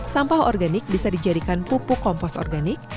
sampah organik bisa dijadikan pupuk kompos organik